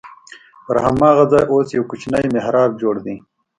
پر هماغه ځای اوس یو کوچنی محراب جوړ دی.